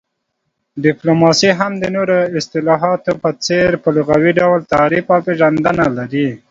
ډيپلوماسي هم د نورو اصطلاحاتو په څير په لغوي ډول تعريف او پيژندنه لري